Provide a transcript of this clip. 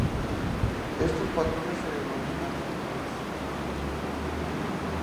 Estos patrones se denominan firmas.